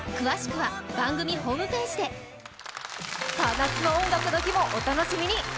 夏の「音楽の日」もお楽しみに。